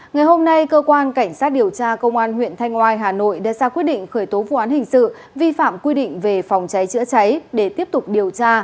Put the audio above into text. ngày hôm nay cơ quan cảnh sát điều tra công an huyện thanh oai hà nội đã ra quyết định khởi tố vụ án hình sự vi phạm quy định về phòng cháy chữa cháy để tiếp tục điều tra